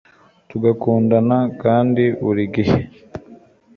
tugakundana kandi buri gihe